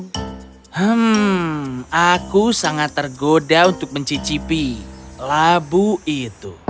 hmm aku sangat tergoda untuk mencicipi labu itu